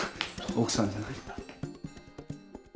奥さんじゃないんだ。